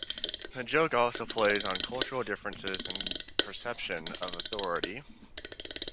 The joke also plays on cultural differences and perception of authority.